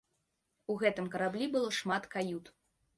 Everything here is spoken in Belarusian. У гэтым караблі было шмат кают.